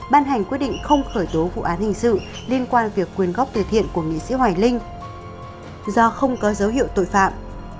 ban hành quyết định không khởi tố vụ án hình sự liên quan việc quyền góp từ thiện của nghị sĩ hoài linh do không có dấu hiệu tội phạm